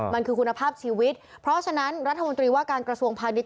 มันคือคุณภาพชีวิตเพราะฉะนั้นรัฐมนตรีว่าการกระทรวงพาณิชย